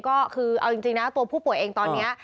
ก็คือเอาจริงนะตัวผู้ป่วยเองตอนนี้